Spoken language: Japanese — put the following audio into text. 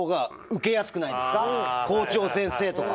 校長先生とか。